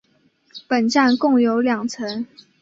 本站共有两层。